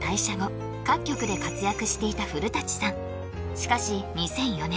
しかし２００４年